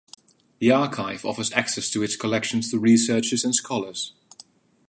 The Archive offers access to its collections to researchers and scholars.